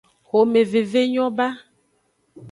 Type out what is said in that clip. Xomeveve nyo ba.